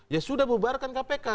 ya sudah bubarkan kpk